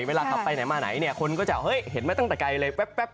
เวลาขับไปไหนมาไหนเนี่ยคนก็จะเฮ้ยเห็นไหมตั้งแต่ไกลเลยแป๊บ